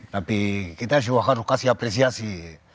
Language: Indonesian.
tapi kita juga harus kasih apresiasi